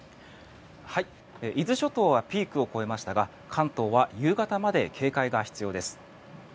伊豆諸島はピークを超えましたが関東は夕方まで警戒が必要です。